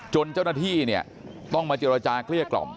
เจ้าหน้าที่เนี่ยต้องมาเจรจาเกลี้ยกล่อม